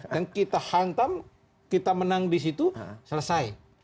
dan kita hantam kita menang disitu selesai